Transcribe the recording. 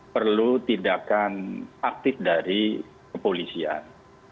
perlu tindakan aktif dari kepolisian